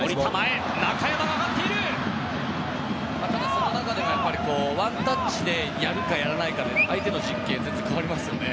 その中でもワンタッチでやるかやらないかで相手の陣形が全然変わりますよね。